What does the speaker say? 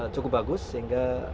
cukup bagus sehingga